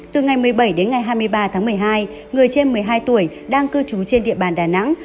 từ ngày một mươi bảy đến ngày hai mươi ba tháng một mươi hai người trên một mươi hai tuổi đang cư trú trên địa bàn đà nẵng